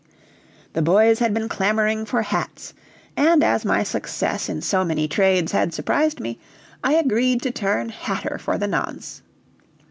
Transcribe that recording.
The boys had been clamoring for hats, and as my success in so many trades had surprised me, I agreed to turn hatter for the nonse.